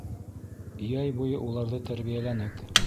Йәй буйы уларҙы тәрбиәләнек.